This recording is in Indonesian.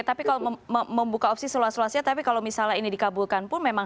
tapi kalau membuka opsi seluas luasnya tapi kalau misalnya ini dikabulkan pun memang